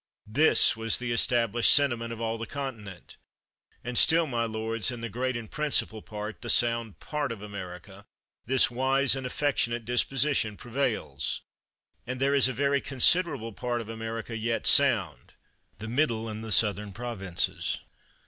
This was the established sentiment of all the Conti nent; and still, my lords, in the great and prin cipal part, the sound part of America, this wise and affectionate disposition prevails. And there is a very considerable part of America yet sound — the middle and the southern provinces.